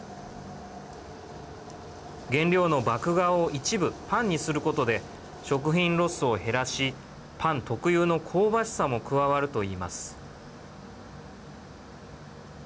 原料の麦芽を一部パンにすることで食品ロスを減らしパン特有の香ばしさも加わるといいます。